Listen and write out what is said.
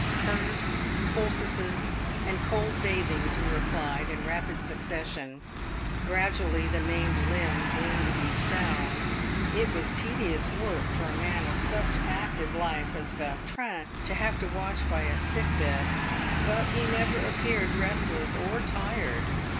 Herbs, poultices, and cold bathings were applied in rapid succession. Gradually the maimed limb grew to be sound. It was tedious work for a man of such active life as Vautrin to have to watch by a sick bed, but he never appeared restless or tired.